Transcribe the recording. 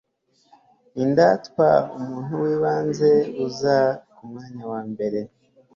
indatwa umuntu w'ibanze uza ku mwanya wa mbere